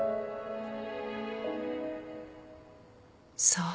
そう